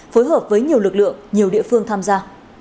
phối hợp với nhiều lực lượng nhiều địa phương tham gia